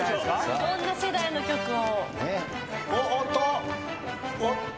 いろんな世代の曲を。